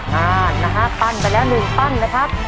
ง่ายนะครับปั้นไปแล้ว๑ปั้นนะครับ